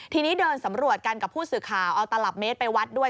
ทีนี้เดินสำรวจกันกับผู้สื่อข่าวเอาตลับเมตรไปวัดด้วย